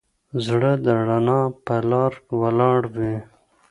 زړه د رڼا په لاره ولاړ وي.